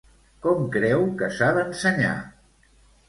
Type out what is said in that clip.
Com creu que s'ha d'ensenyar?